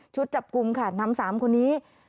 จับกลุ่มค่ะนำ๓คนนี้